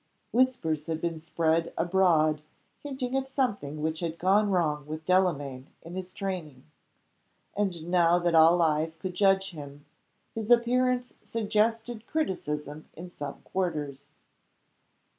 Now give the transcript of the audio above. Whispers had been spread abroad hinting at something which had gone wrong with Delamayn in his training. And now that all eyes could judge him, his appearance suggested criticism in some quarters.